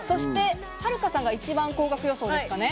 はるかさんは一番高額予想ですかね？